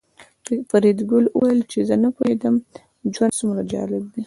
فریدګل وویل چې زه نه پوهېږم ژوند څومره جالب دی